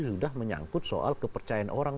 sudah menyangkut soal kepercayaan orang